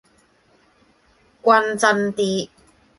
均真啲